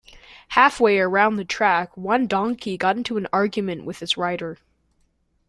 Halfway around the track one donkey got into an argument with its rider.